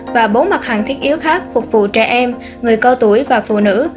và bốn mặt hàng thiết yếu khác phục vụ trẻ em người cao tuổi và phụ nữ